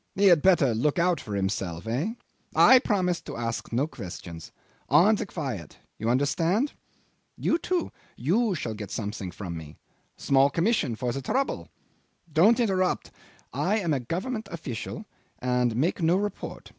He had better look out for himself. Eh? I promise to ask no questions. On the quiet you understand? You too you shall get something from me. Small commission for the trouble. Don't interrupt. I am a Government official, and make no report.